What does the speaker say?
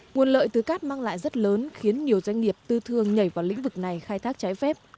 nguồn lợi từ cát mang lại rất lớn khiến nhiều doanh nghiệp tư thương nhảy vào lĩnh vực này khai thác trái phép